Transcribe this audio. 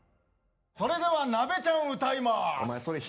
それではなべちゃん歌います。